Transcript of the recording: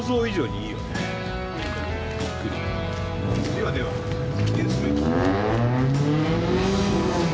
ではでは記念すべき。